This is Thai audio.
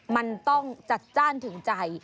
มันต้องจัดจ้านถึงใจ